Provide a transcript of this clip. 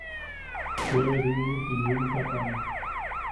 Ke ¡ruu! ti jiusakane.